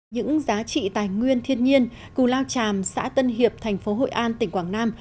những giá trị tài nguyên thiên nhiên cù lao tràm xã tân hiệp thành phố hội an tỉnh quảng nam